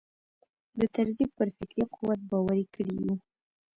د طرزي پر فکري قوت باوري کړي یو.